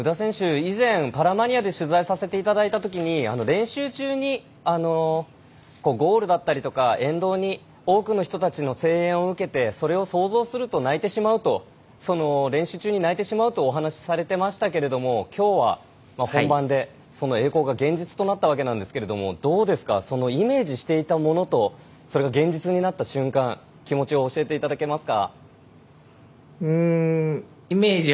以前、パラマニアで取材させていただいたときに練習中にゴールだったりとか沿道の多くの人たちの声援を受けてそれを想像すると泣いてしまうと練習中に泣いてしまうとお話しされてましたけどもきょうは本番でそれが現実となったわけですけれどもどうですかイメージしていたものとそれが現実になった瞬間気持ちを教えていただけますか。